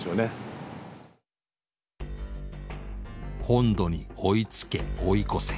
「本土に追いつけ追い越せ」。